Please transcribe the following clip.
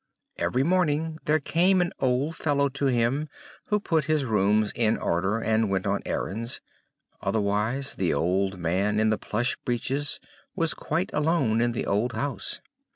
Every morning there came an old fellow to him who put his rooms in order, and went on errands; otherwise, the old man in the plush breeches was quite alone in the old house.